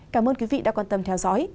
cảm ơn quý vị đã quan tâm theo dõi